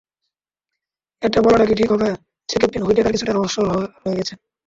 এটা বলাটা কী ঠিক হবে যে ক্যাপ্টেন হুইটেকার কিছুটা রহস্য হয়ে রয়েছেন?